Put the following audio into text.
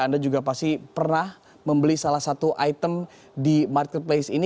anda juga pasti pernah membeli salah satu item di marketplace ini